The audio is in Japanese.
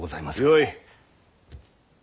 よい。